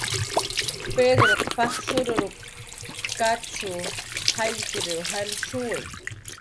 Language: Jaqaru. "Pedruq paj shururup"" katshuw jaylltir jalshuwi"